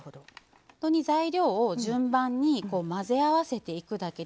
材料を順番に混ぜ合わせていくだけで。